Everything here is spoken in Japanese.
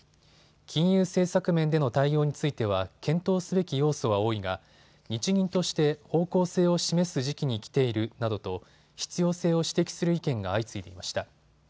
金融政策面での対応については検討すべき要素は多いが日銀として方向性を示す時期に来ているなどと必要性を指摘する意見が相次いでいました。